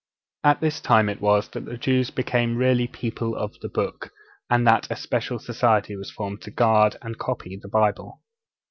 At this time it was that the Jews became really the 'People of the Book,' and that a special society was formed to guard and copy the Bible.